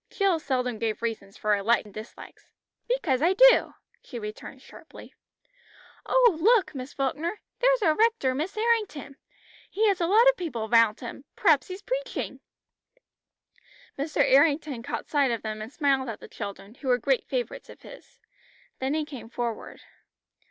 Jill seldom gave reasons for her likes and dislikes. "Because I do," she returned sharply. "Oh, look, Miss Falkner, there's our rector, Mr. Errington. He has a lot of people round him. P'raps he's preaching!" Mr. Errington caught sight of them and smiled at the children, who were great favourites of his. Then he came forward.